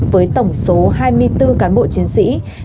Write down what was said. với tổng số hai mươi bốn cán bộ chiến sĩ